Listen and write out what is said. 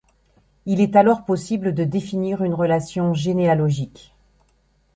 Il est alors possible de définir une relation généalogique.